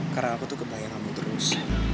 karena aku tuh kebayang kamu terus